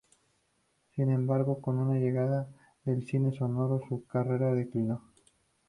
Sin embargo, con la llegada del cine sonoro, su carrera declinó.